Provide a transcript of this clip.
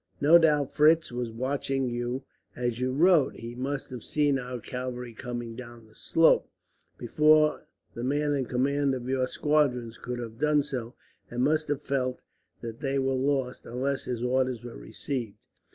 No doubt Fritz was watching you, as you rode. He must have seen our cavalry coming down the slope, before the man in command of your squadrons could have done so; and must have felt that they were lost, unless his orders were received.